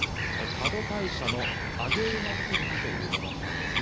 多度大社の上げ馬神事というものなんです。